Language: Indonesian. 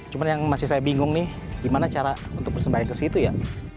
cuma yang masih saya bingung nih gimana cara untuk persembahyang ke situ ya